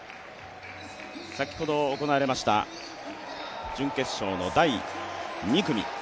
先ほど行われました準決勝の第２組。